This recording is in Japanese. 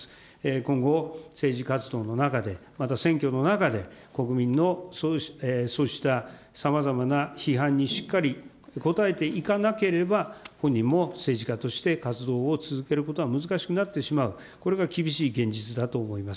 今後、政治活動の中で、また選挙の中で、国民のそうしたさまざまな批判にしっかり応えていかなければ本人も政治家として活動を続けることは難しくなってしまう、これが厳しい現実だと思います。